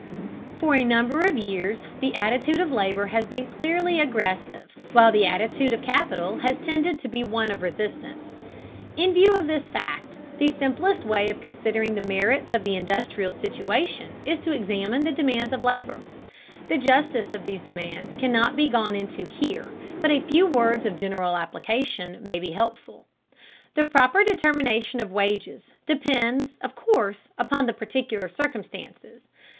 For a number of years the attitude of labor has been clearly aggressive, while the attitude of capital has tended to be one of resistance. In view of this fact, the simplest way of considering the merits of the industrial situation is to examine the demands of labor. The justice of these demands cannot be gone into here, but a few words of general application may be helpful. The proper determination of wages depends, of course, upon the particular circumstances.